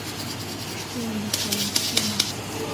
— Шкемын, шольым, шкемын...